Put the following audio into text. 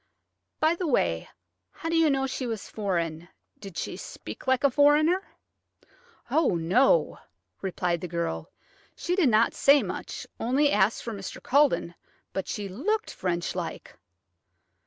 "By the way, how did you know she was foreign. Did she speak like a foreigner?" "Oh, no," replied the girl. "She did not say much–only asked for Mr. Culledon–but she looked French like."